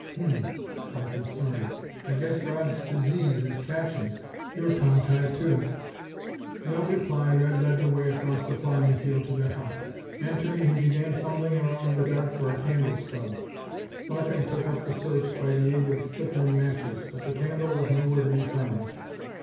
"Humph!" Larkin snorted. "I guess Rodd's disease is catching. You're tongue tied too!" Without reply Red led the way across the flying field to their hut. Entering, he began fumbling around in the dark for a candle stub. Larkin took up the search, by the aid of flickering matches, but the candle was nowhere to be found.